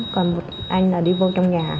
còn một anh là đi vô trong nhà